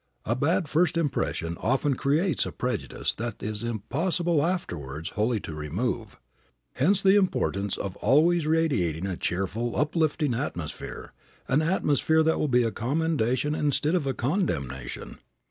A bad first impression often creates a prejudice that it is impossible afterwards wholly to remove. Hence the importance of always radiating a cheerful, uplifting atmosphere, an atmosphere that will be a commendation instead of a condemnation.